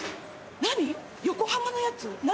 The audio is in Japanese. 何？